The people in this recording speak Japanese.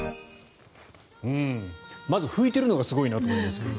まず、拭いてるのがすごいなと思いますけど。